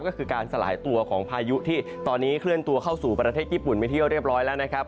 ก็คือการสลายตัวของพายุที่ตอนนี้เคลื่อนตัวเข้าสู่ประเทศญี่ปุ่นไปเที่ยวเรียบร้อยแล้วนะครับ